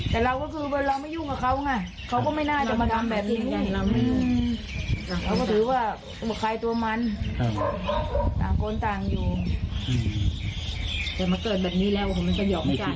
จะมาเกิดแบบนี้แล้วมันก็หยอกไม่จัด